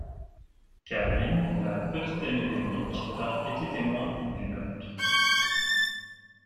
Karine, la petite amie d'Éric, a été témoin du meurtre...